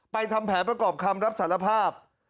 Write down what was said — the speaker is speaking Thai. ทำแผนประกอบคำรับสารภาพ